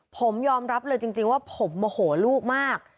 ผมยอมรับเลยจริงว่าผมโมโหลูกมาก